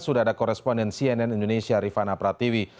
sudah ada koresponden cnn indonesia rifana pratiwi